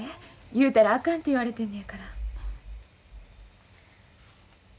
言うたらあかんて言われてんねやから。